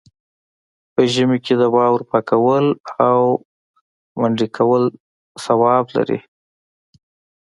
په ژمي کې د واورو پاکول او منډ کول ثواب لري.